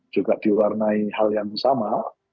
juga diwarnai hal yang sama